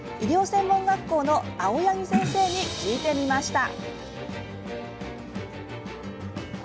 専門学校の青柳先生に聞いてみました。